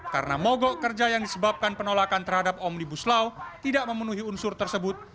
karena mogok kerja yang disebabkan penolakan terhadap omnibus law tidak memenuhi unsur tersebut